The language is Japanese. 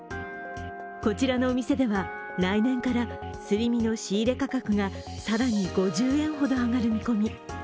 こちらのお店では、来年からすり身の仕入れ価格が更に５０円ほど上がる見込み。